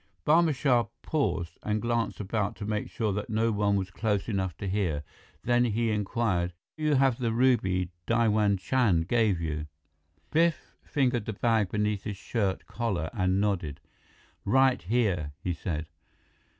Barma Shah paused and glanced about to make sure that no one was close enough to hear. Then he inquired: "You have the ruby Diwan Chand gave you?" Biff fingered the bag beneath his shirt collar and nodded. "Right here," he said.